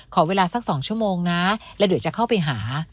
ขอเวลาสัก๒ชั่วโมงนะแล้วเดี๋ยวจะเข้าไปหา